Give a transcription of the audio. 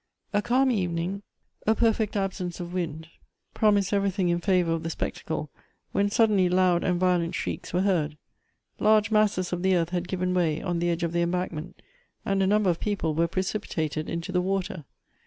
A calm evening, a perfect absence of wind, prcrmised everything in favor of the spectacle, when suddenly loud and violent shrieks were heard. Large masses of the earth had given way on the edge of the embankment, and a number of people were precipitated into the water.